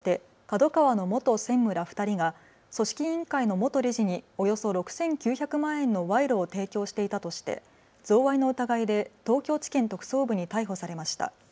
大会スポンサーだった出版大手、ＫＡＤＯＫＡＷＡの元専務ら２人が組織委員会の元理事におよそ６９００万円の賄賂を提供していたとして贈賄の疑いで東京地検特捜部に逮捕されました。